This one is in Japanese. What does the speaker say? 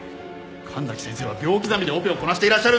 神崎先生は秒刻みでオペをこなしていらっしゃるんだ。